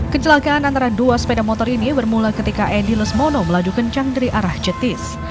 kecelakaan antara dua sepeda motor ini bermula ketika edi lesmono melaju kencang dari arah jetis